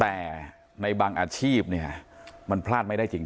แต่ในบางอาชีพเนี่ยมันพลาดไม่ได้จริง